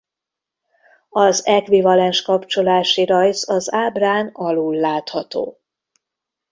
Az ekvivalens kapcsolási rajz az ábrán alul látható.